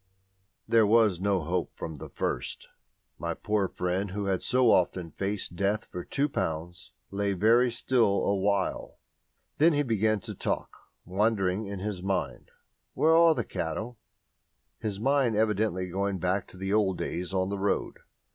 There was no hope from the first. My poor friend, who had so often faced Death for two pounds, lay very still awhile. Then he began to talk, wandering in his mind, "Where are the cattle?" his mind evidently going back to the old days on the road.